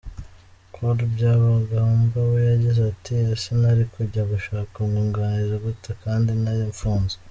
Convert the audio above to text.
Col Byabagamba we yagize ati “Ese nari kujya gushaka umwunganizi gute kandi nari mfunze ?”